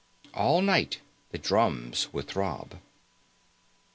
All night the drums would throb.